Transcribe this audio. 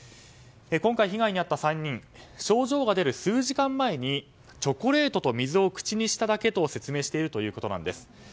今回、被害に遭った３人症状が出る数時間前にチョコレートと水を口にしただけと説明しているということです。